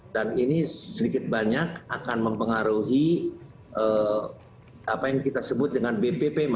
dan ini sedikit banyak akan mempengaruhi apa yang kita sebut dengan bpp